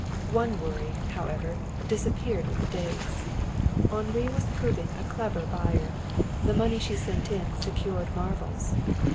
One worry, however, disappeared with the days. Henri was proving a clever buyer. The money she sent in secured marvels.